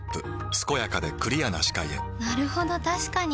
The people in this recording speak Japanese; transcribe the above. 健やかでクリアな視界へなるほど確かに！